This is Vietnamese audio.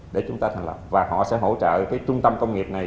để chúng ta thành lập và họ sẽ hỗ trợ cái trung tâm công nghiệp này